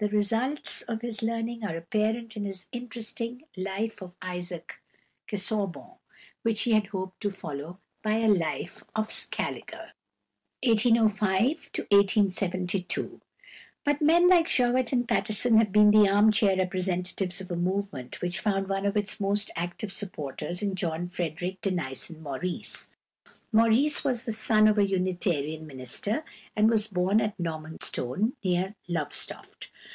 The results of his learning are apparent in his interesting "Life of Isaac Casaubon," which he had hoped to follow by a life of Scaliger. But men like Jowett and Pattison have been the arm chair representatives of a movement which found one of its most active supporters in =John Frederick Denison Maurice (1805 1872)=. Maurice was the son of a Unitarian minister, and was born at Normanstone, near Lowestoft.